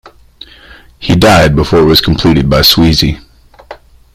He died before it was completed by Sweezy.